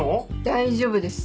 大丈夫です